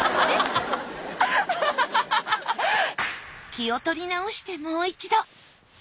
気を取り直してもう一度。